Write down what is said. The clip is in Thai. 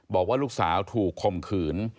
บอกว่าลูกสาวถูกคมขืน